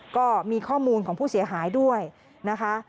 ก็มีข้อมูลของผู้เสียหายด้วยนะคะ